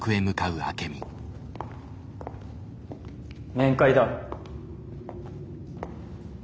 面会だ。